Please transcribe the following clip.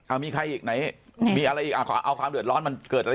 เอามีใครอีกไหนมีอะไรอีกอ่ะขอเอาความเดือดร้อนมันเกิดอะไร